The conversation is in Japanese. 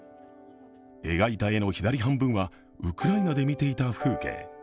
描いた絵の左半分はウクライナで見ていた風景。